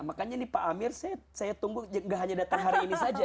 makanya nih pak amir saya tunggu gak hanya datang hari ini saja